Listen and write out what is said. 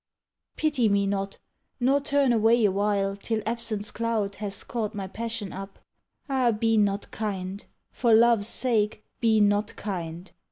Pity me not, nor turn away awhile Till absence's cloud has caught my passion up. Ah, be not kind! for love's sake, be not kind!